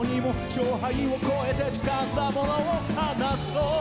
「「勝敗を越えて掴んだもの」を話そう」